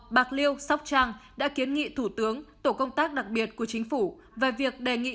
bạc liêu sóc trăng đã kiến nghị thủ tướng tổ công tác đặc biệt của chính phủ về việc đề nghị